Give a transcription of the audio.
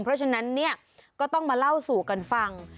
เพราะฉะนั้นเนี่ยก็ต้องมาเล่าสู่กันฟัง